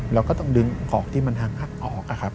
เราก็ต้องดึงขอกที่มันหักออก